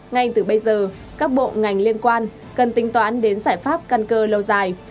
ngay từ bây giờ các bộ ngành liên quan cần tính toán đến giải pháp căn cơ lâu dài